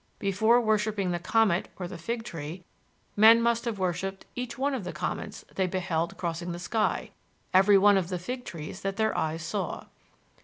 Before worshipping the comet or the fig tree, men must have worshiped each one of the comets they beheld crossing the sky, every one of the fig trees that their eyes saw."